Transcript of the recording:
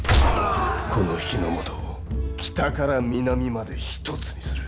この日ノ本を北から南まで一つにする。